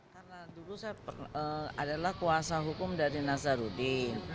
karena dulu saya adalah kuasa hukum dari nazarudin